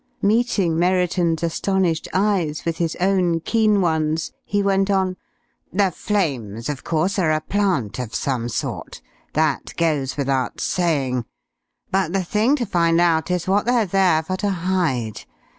Meeting Merriton's astonished eyes with his own keen ones, he went on: "The flames, of course, are a plant of some sort. That goes without saying. But the thing to find out is what they're there for to hide.